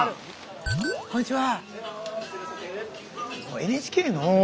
こんにちは。